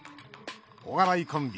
お笑いコンビ